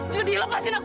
judi lepasin aku